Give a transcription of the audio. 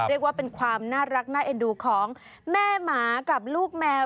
เรียกว่าเป็นความน่ารักน่าเอ็นดูของแม่หมากับลูกแมว